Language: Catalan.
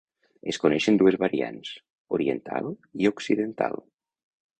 Es coneixen dues variants: oriental i occidental.